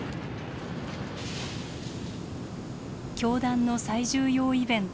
教団の最重要イベント